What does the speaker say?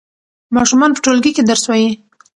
ماشومان په ټولګي کې درس وايي.